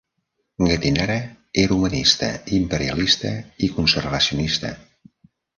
Gattinara era humanista, imperialista i conservacionista.